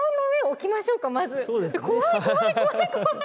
怖い怖い怖い怖い！